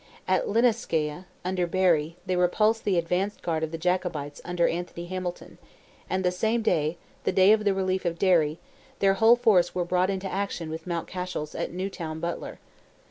At Lisnaskea, under Berry, they repulsed the advanced guard of the Jacobites under Anthony Hamilton; and the same day—the day of the relief of Derry—their whole force were brought into action with Mountcashel's at Newtown Butler.